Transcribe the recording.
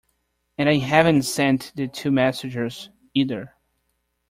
And I haven’t sent the two messengers, either.